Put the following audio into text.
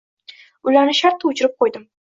Ularni shartta o`chirib qo`ydim